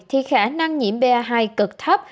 thì khả năng nhiễm ba hai cực thấp